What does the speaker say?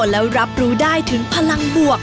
แล้วรับรู้ได้ถึงพลังบวก